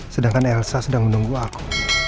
sedangkan elsa sedang menunggu aku